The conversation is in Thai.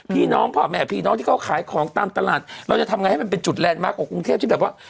พ่อแม่พี่น้องที่เขาขายของตามตลาดเราจะทำไงให้มันเป็นจุดแลนดมาร์คของกรุงเทพที่แบบว่า